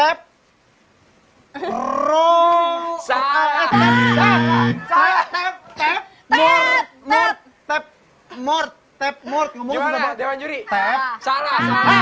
hai saya tep tep tep tep more tep tep more gimana dewan juri tep tep salah salah